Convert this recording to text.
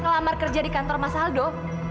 ngelamar kerja di kantor mas aldo